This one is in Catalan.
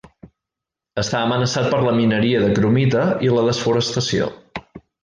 Està amenaçat per la mineria de cromita i la desforestació.